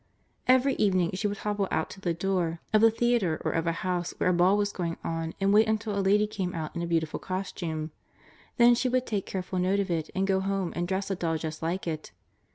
Every evening she would hobble out to the door of the theater or of a house where a ball was going on and wait until a lady came out in a beautiful costume; then she would take careful note of it and go home and dress a doll just like it.